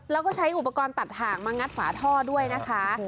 แล้วก็ใช้อุปกรณ์ตัดถ่างมางัดฝาท่อด้วยนะคะ